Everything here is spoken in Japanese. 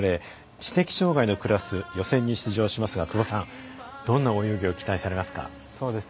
知的障がいのクラス予選に出場しますが、久保さんどんな泳ぎを期待されますか。